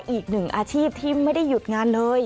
อีกหนึ่งอาชีพที่ไม่ได้หยุดงานเลย